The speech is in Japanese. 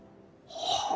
はあ。